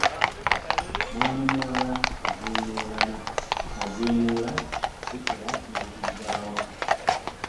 Mwana muwala azimuula akusitula n'akuzaawo .